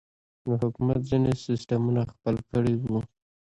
د حکومت ځينې سسټمونه خپل کړي وو.